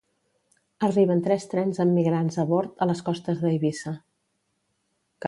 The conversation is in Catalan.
Arriben tres trens amb migrants a bord a les costes d'Eivissa